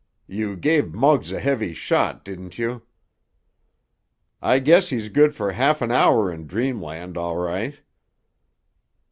You gave Muggs a heavy shot, didn't you?" "I guess he's good for half an hour in dreamland, all right."